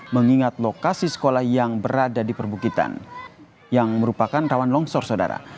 mengingat lokasi sekolah yang berada di perbukitan yang merupakan rawan longsor saudara